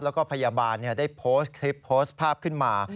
แล้วก็พยาบาลได้โพสต์คลิปโพสต์ภาพขึ้นมา